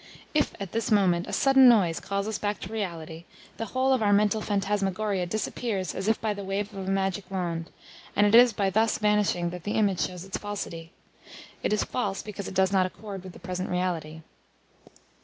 If, at this moment, a sudden noise calls us back to reality, the whole of our mental phantasmagoria disappears as if by the wave of a magic wand, and it is by thus vanishing that the image shows its falsity. It is false because it does not accord with the present reality.